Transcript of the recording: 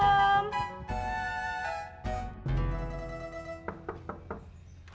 terima kasih pak